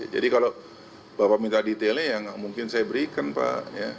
jadi kalau bapak minta detailnya ya nggak mungkin saya berikan pak ya